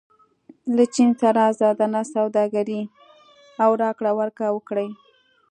له چین سره ازادانه سوداګري او راکړه ورکړه وکړئ.